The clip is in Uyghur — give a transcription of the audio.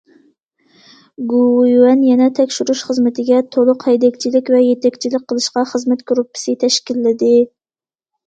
گوۋۇيۈەن يەنە تەكشۈرۈش خىزمىتىگە تولۇق ھەيدەكچىلىك ۋە يېتەكچىلىك قىلىشقا خىزمەت گۇرۇپپىسى تەشكىللىدى.